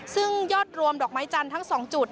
ซึ่งยอดรวมดอกไม้จันทร์ทั้ง๒จุด